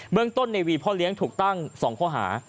เมืองต้นในวีพ่อเลี้ยงถูกตั้ง๒ข้อหา